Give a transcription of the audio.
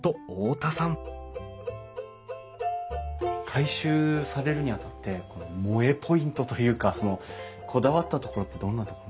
改修されるにあたって萌えポイントというかこだわったところってどんなところなんですかね？